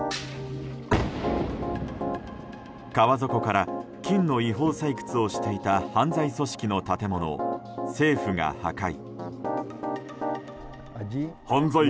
川底から、金の違法採掘をしていた犯罪組織の建物を政府が破壊。